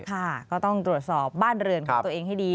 ค่ะก็ต้องตรวจสอบบ้านเรือนของตัวเองให้ดี